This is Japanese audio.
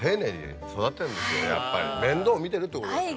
面倒見てるってことですよね。